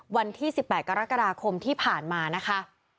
วันที่๑๘กรกฎาคมที่ผ่านมานะคะ